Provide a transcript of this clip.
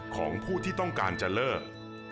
ของผู้ที่ต้องการจะเลิก